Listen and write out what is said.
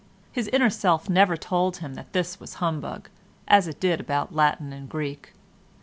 His inner self never told him that this was humbug, as it did about Latin and Greek.